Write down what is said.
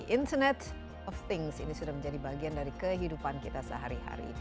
internet of things ini sudah menjadi bagian dari kehidupan kita sehari hari